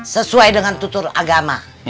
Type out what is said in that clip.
sesuai dengan tutur agama